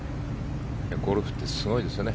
ゴルフってすごいですよね。